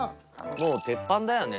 もう鉄板だよね